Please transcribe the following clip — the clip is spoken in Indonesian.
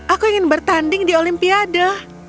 aku ingin bertanding di olimpiade